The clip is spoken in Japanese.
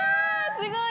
すごーい。